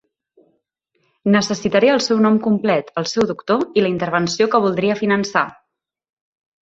Necessitaré el seu nom complet, el seu doctor i la intervenció que voldria finançar.